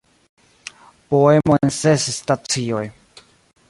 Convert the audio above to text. Poemo en ses stacioj".